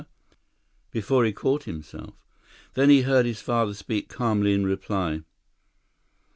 before he caught himself. Then he heard his father speak calmly in reply.